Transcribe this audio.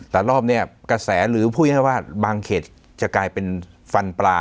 แต่รอบเนี่ยกระแสหรือบางเขตจะกลายเป็นฟันปลา